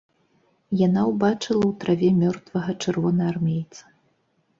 Яна ўбачыла ў траве мёртвага чырвонаармейца.